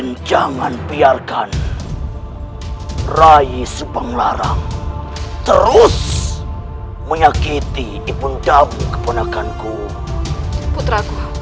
dan jangan biarkan rai subang larang terus menyakiti ibundamu keponakan ku putraku